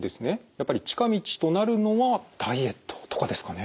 やっぱり近道となるのはダイエットとかですかね？